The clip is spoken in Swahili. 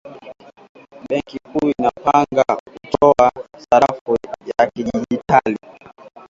Benki kuu inapanga kutoa sarafu ya kidigitali